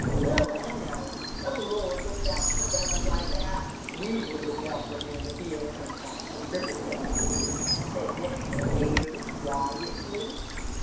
We'll let him go. The Lord looks out for fellows like that." "We will look out for him if he ever comes back to Riverdale," said Mr. Harry, quietly.